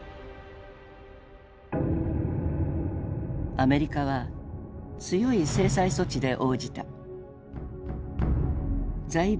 アメリカは強い制裁措置で応じた。